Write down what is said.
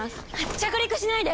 着陸しないで！